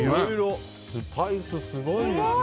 スパイス、すごいですね。